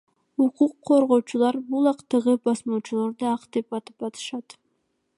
Укук коргоочулар бул актты басмырлоочу акт деп атап жатышат.